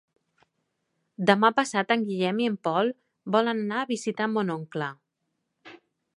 Demà passat en Guillem i en Pol volen anar a visitar mon oncle.